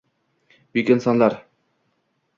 Buyuk insonlar.